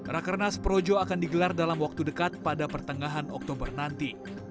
rakernas projo akan digelar dalam waktu dekat pada pertengahan oktober nanti